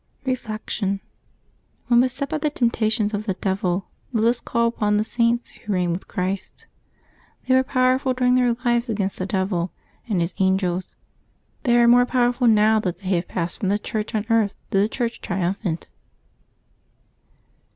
Reflection. — When beset by the temptations of the devil, let us call upon the Saints, who reign with Christ. They were powerful during their lives against the devil and his angels. They are more powerful now that they have passed from the Church on earth to the Church trium phant.